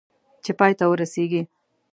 چې پای ته ورسېږي .